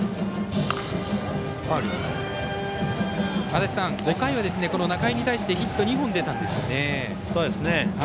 足達さん、５回は仲井に対してヒット２本出たんですね。